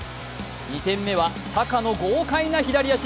２点目はサカの豪快な左足。